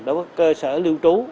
đối với cơ sở lưu trú